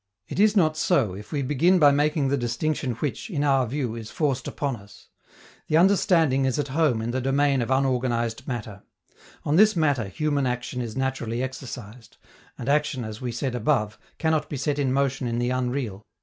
It is not so, if we begin by making the distinction which, in our view, is forced upon us. The understanding is at home in the domain of unorganized matter. On this matter human action is naturally exercised; and action, as we said above, cannot be set in motion in the unreal.